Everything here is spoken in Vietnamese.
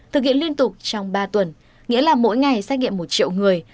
thực hiện liên tục trong ba tuần nghĩa là mỗi ngày xét nghiệm một triệu người